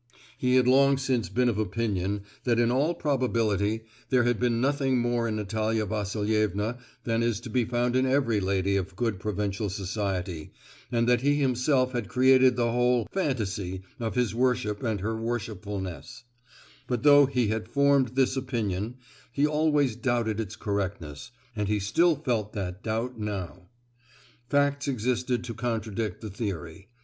He had long since been of opinion that in all probability there had been nothing more in Natalia Vasilievna than is to be found in every lady of good provincial society, and that he himself had created the whole "fantasy" of his worship and her worshipfulness; but though he had formed this opinion, he always doubted its correctness, and he still felt that doubt now. Facts existed to contradict the theory.